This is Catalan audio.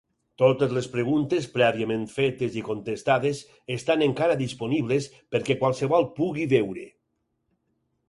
Totes les preguntes prèviament fetes i contestades estan encara disponibles perquè qualsevol pugui veure.